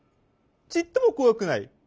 ちっともこわくない。